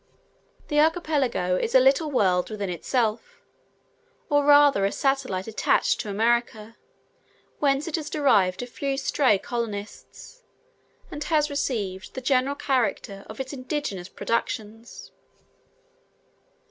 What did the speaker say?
The archipelago is a little world within itself, or rather a satellite attached to America, whence it has derived a few stray colonists, and has received the general character of its indigenous productions.